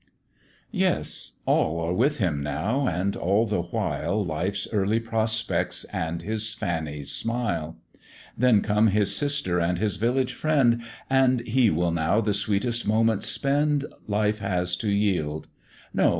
Yes! all are with him now, and all the while Life's early prospects and his Fanny's smile: Then come his sister and his village friend, And he will now the sweetest moments spend Life has to yield; No!